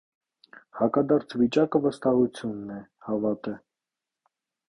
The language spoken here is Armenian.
Հակադարձ վիճակը վստահությունն է, հավատը։